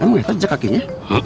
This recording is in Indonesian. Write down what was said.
emang gak ada jejak kakinya